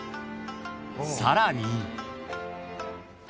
さらに］